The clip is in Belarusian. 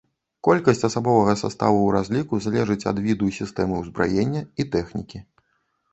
Колькасць асабовага саставу ў разліку залежыць ад віду і сістэмы ўзбраення і тэхнікі.